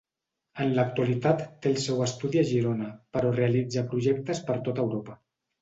En l'actualitat té el seu estudi a Girona però realitza projectes per tota Europa.